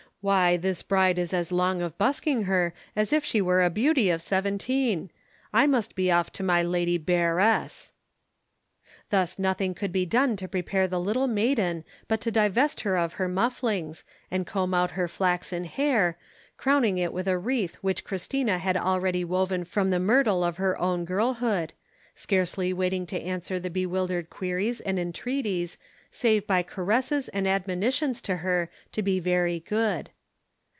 "Why, this bride is as long of busking her as if she were a beauty of seventeen! I must be off to my Lady Bearess." Thus nothing could be done to prepare the little maiden but to divest her of her mufflings, and comb out her flaxen hair, crowning it with a wreath which Christina had already woven from the myrtle of her own girlhood, scarcely waiting to answer the bewildered queries and entreaties save by caresses and admonitions to her to be very good.